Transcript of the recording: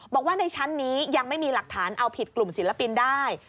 บอกว่าในชั้นนี้ยังไม่มีหลักฐานเอาผิดกลุ่มศิลปินได้